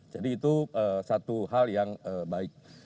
jadi itu satu hal yang baik